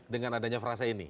dengan adanya frase ini